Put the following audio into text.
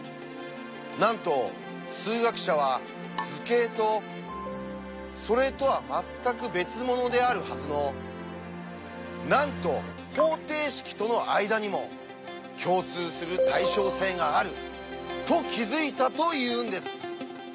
なんと数学者は図形とそれとは全く別物であるはずのなんと方程式との間にも共通する「対称性」があると気付いたというんです！